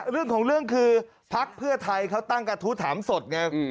เรื่องของเรื่องคือพักเพื่อไทยเขาตั้งกระทู้ถามสดไง